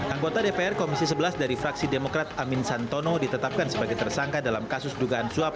anggota dpr komisi sebelas dari fraksi demokrat amin santono ditetapkan sebagai tersangka dalam kasus dugaan suap